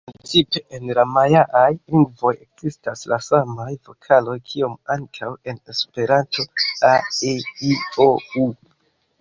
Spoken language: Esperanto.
Principe en la majaaj lingvoj ekzistas la samaj vokaloj kiom ankaŭ en Esperanto: a-e-i-o-u.